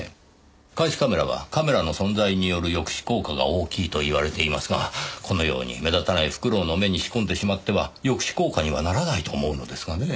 監視カメラはカメラの存在による抑止効果が大きいといわれていますがこのように目立たないフクロウの目に仕込んでしまっては抑止効果にはならないと思うのですがねぇ。